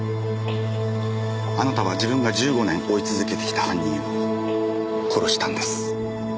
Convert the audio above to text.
あなたは自分が１５年追い続けてきた犯人を殺したんです。